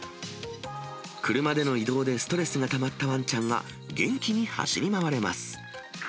車での移動でストレスがたまったわんちゃんが、元気に走り回れます。